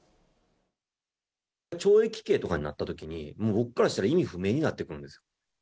懲役刑とかになったときに、もう僕からしたら意味不明になってくるんです。